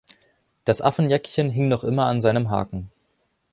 Das Affenjäckchen hing noch immer an seinem Haken.